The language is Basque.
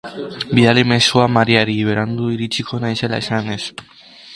Bidali mezua Mariari, berandu iritsiko naizela esanez